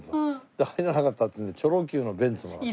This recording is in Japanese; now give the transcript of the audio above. で入らなかったっていうのでチョロＱのベンツもらった。